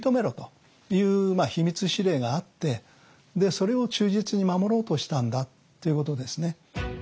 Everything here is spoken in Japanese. それを忠実に守ろうとしたんだっていうことですね。